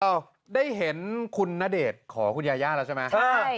ได้เห็นคุณณเดชน์ขอคุณยาย่าแล้วใช่ไหม